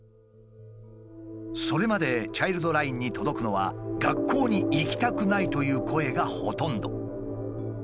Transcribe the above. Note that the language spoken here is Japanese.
それまでチャイルドラインに届くのは「学校に行きたくない」という声がほとんど。